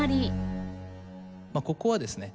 ここはですね